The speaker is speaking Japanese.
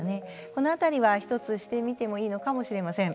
この辺りを１つしてみてもいいのかもしれません。